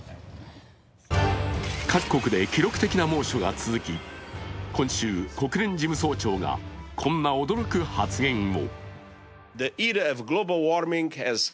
各国で記録的な猛暑が続き今週、国連事務総長がこんな驚く発言を。